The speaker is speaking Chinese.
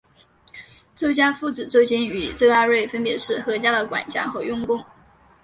周家父子周金与周阿瑞分别是何家的管家和佣工。